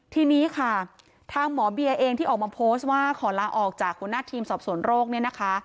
ทีนี้ค่ะทางหมอเบียเองที่ออกมาโพสต์ว่าขอลาออกจากหัวหน้าทีมสอบสวนโรคเนี่ยนะคะ